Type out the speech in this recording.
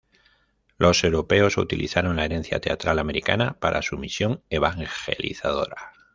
Los europeos utilizaron la herencia teatral americana para su misión evangelizadora.